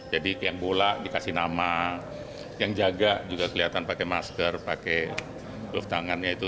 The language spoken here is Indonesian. jadi yang bola dikasih nama yang jaga juga kelihatan pakai masker pakai glove tangannya itu